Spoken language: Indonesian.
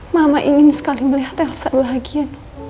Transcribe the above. mama ingin sekali melihat elsa bahagia